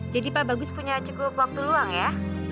jadi pak bagus punya cukup waktu luang ya